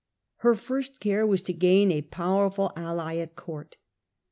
Her first care was to gain a powerful ally at court.